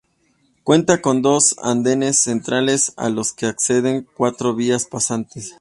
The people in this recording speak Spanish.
Cuenta con dos andenes centrales a los que acceden cuatro vías pasantes.